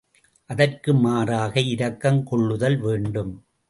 அதற்கு மாறாக இரக்கம் கொள்ளுதல் வேண்டும்.